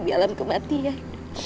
di alam kematian